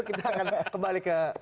kita akan kembali ke